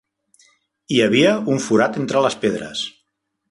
Hi havia un forat entre les pedres.